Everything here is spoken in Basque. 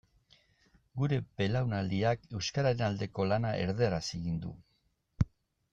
Gure belaunaldiak euskararen aldeko lana erdaraz egin du.